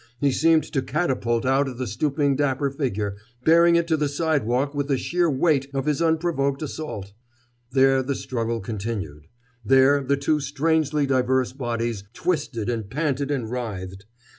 He seemed to catapult out at the stooping dapper figure, bearing it to the sidewalk with the sheer weight of his unprovoked assault. There the struggle continued. There the two strangely diverse bodies twisted and panted and writhed.